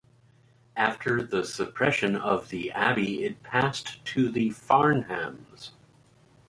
After the suppression of the abbey it passed to the Farnhams.